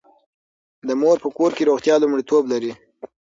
د مور په کور کې روغتیا لومړیتوب لري.